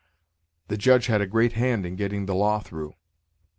The Judge had a great hand in getting the law through."